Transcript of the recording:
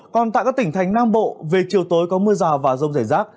còn tại các tỉnh thành nam bộ về chiều tối có mưa rào và rông rải rác